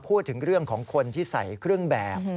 พูดถึงเรื่องของคนที่ใส่เครื่องแบบ